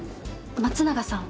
松永さん